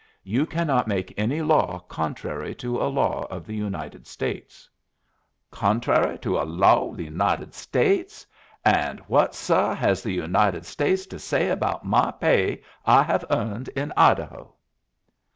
You cannot make any law contrary to a law of the United States." "Contrary to a law of the United States? And what, suh, has the United States to say about my pay I have earned in Idaho?"